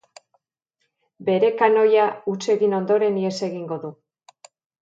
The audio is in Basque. Bere kanoia huts egin ondoren, ihes egingo du.